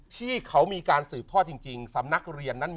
ที่เขามีการสืบทอดจริงสำนักเรียนนั้น